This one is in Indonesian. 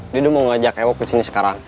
didu mau ngajak ewo kesini sekarang